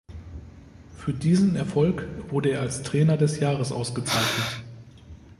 Für diesen Erfolg wurde er als „Trainer des Jahres“ ausgezeichnet.